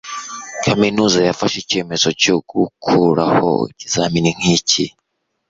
kaminuza yafashe icyemezo cyo gukuraho ikizamini nkiki